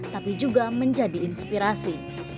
tapi juga menjadi inspirasi